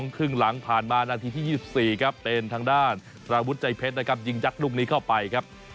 ครึ่งหลังผ่านมานาทีที่๒๔ครับเป็นทางด้านสารวุฒิใจเพชรนะครับยิงยัดลูกนี้เข้าไปครับ